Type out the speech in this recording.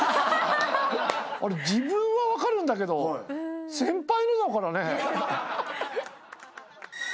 あれ自分は分かるんだけど先輩のだからね。